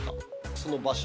その場所。